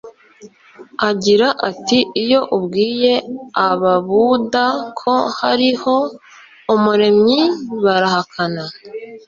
agira ati iyo ubwiye ababuda ko hariho umuremyi barahakana